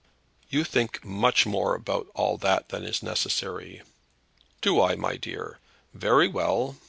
"You think much more about all that than is necessary." "Do I, my dear? Very well.